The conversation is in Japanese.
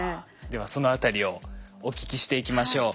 ではそのあたりをお聞きしていきましょう。